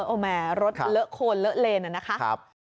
ออแมสรถเลอะโคนเลอะเลนนะครับ